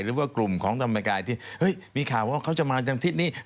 หรือว่ากลุ่มของธรรมกายที่มีข่าวว่าเขาจะมาทางทิศนี้